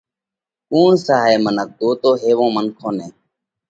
ڪُوڻ سئہ هائي منک؟ ڳوتو هيوون منکون نئہ